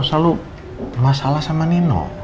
selalu masalah sama nino